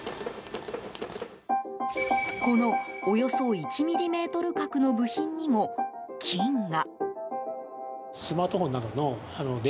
この、およそ１ｍｍ角の部品にも金が。